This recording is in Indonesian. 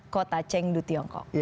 kota chengdu tiongkok